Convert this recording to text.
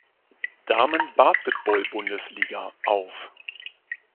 Damen-Basketball-Bundesliga auf.